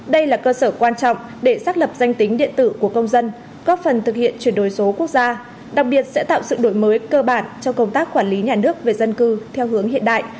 đây là cơ sở quan trọng để xác lập danh tính điện tử của công dân góp phần thực hiện chuyển đổi số quốc gia đặc biệt sẽ tạo sự đổi mới cơ bản trong công tác quản lý nhà nước về dân cư theo hướng hiện đại